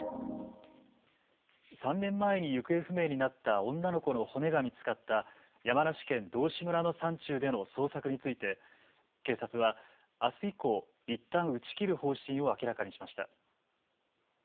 ３年前に行方不明になった女の子の骨が見つかった山梨県道志村の山中での捜索について警察はあす以降、いったん打ち切る方針を明らかにしました。